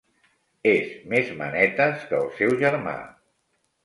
És més manetes que el seu germà.